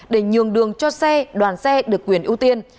để nhường đường cho xe đoàn xe được quyền ưu tiên